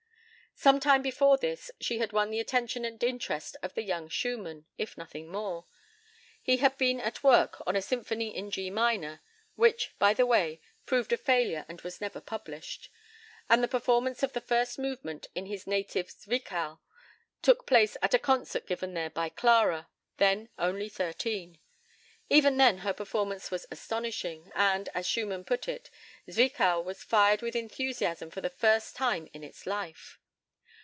Some time before this, she had won the attention and interest of the young Schumann, if nothing more. He had been at work on a symphony in G minor (which, by the way, proved a failure and was never published), and the performance of the first movement in his native Zwickau took place at a concert given there by Clara, then only thirteen. Even then her performance was astonishing, and, as Schumann put it, "Zwickau was fired with enthusiasm for the first time in its life."